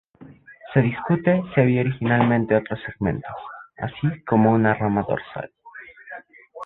Se discute si había originalmente otros segmentos, así como una rama dorsal.